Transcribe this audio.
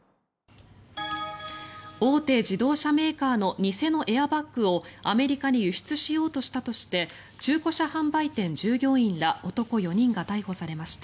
大手自動車メーカーの偽のエアバッグをアメリカに輸出しようとしたとして中古車販売店従業員ら男４人が逮捕されました。